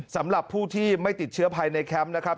สำหรับผู้ที่ไม่ติดเชื้อภายในแคมป์นะครับ